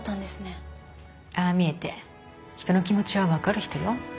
ああ見えて人の気持ちは分かる人よ。